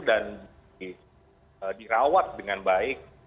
dan dirawat dengan baik